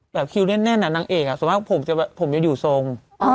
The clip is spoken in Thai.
แบบคิวแน่นอยู่นะคะนางเอกอะสมมติผมจะอยู่ทรง